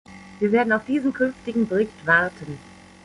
Wir werden auf diesen künftigen Bericht warten.